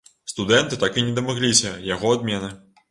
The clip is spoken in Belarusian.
Студэнты так і не дамагліся яго адмены.